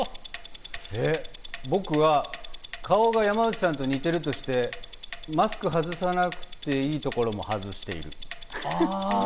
僕は顔が山内さんと似てるとして、マスクを外さなくていいところも外してる。